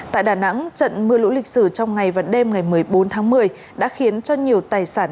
tại đà nẵng trận mưa lũ lịch sử trong ngày và đêm ngày một mươi bốn tháng một mươi đã khiến cho nhiều tài sản